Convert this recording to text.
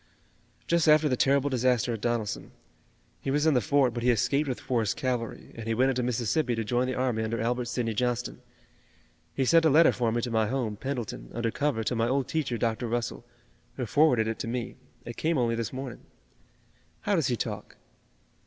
"Just after the terrible disaster at Donelson. He was in the fort, but he escaped with Forrest's cavalry, and he went into Mississippi to join the army under Albert Sidney Johnston. He sent a letter for me to my home, Pendleton, under cover to my old teacher, Dr. Russell, who forwarded it to me. It came only this morning." "How does he talk?"